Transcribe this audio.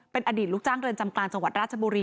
เป็นอดีตลูกจ้างเรือนจำกลางจังหวัดราชบุรี